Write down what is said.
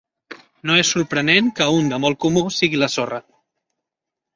No és sorprenent que un de molt comú sigui la sorra.